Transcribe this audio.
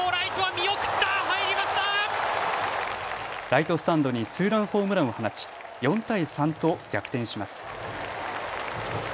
ライトスタンドにツーランホームランを放ち４対３と逆転します。